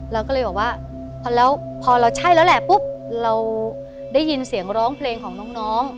เราก็เลยบอกว่าพอแล้วพอเราใช่แล้วแหละปุ๊บเราได้ยินเสียงร้องเพลงของน้อง